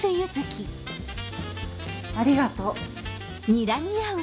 ありがとう。